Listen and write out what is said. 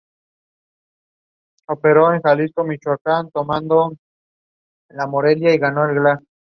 No existe fracción del rublo armenio ni se acuñaron monedas.